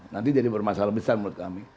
nanti jadi bermasalah besar menurut kami